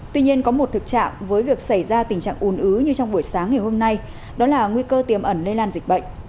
tuy nhiên có một thực trạng với việc xảy ra tình trạng ùn ứ như trong buổi sáng ngày hôm nay đó là nguy cơ tiềm ẩn lây lan dịch bệnh